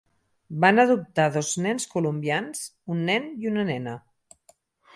Van adoptar dos nens colombians, un nen i una nena.